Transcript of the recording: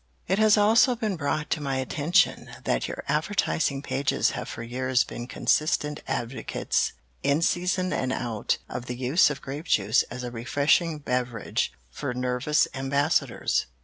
It has also been brought to my attention that your advertising pages have for years been consistent advocates, in season and out, of the use of grape juice as a refreshing beverage for nervous Ambassadors.